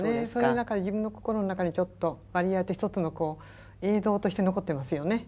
だから自分の心の中にちょっと割合と一つの映像として残ってますよね。